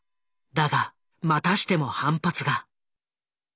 だがまたしても反発が。